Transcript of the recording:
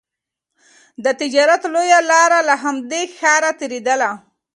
د تجارت لویه لاره له همدې ښاره تېرېدله.